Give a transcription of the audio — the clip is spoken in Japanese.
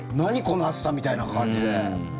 この暑さみたいな感じで。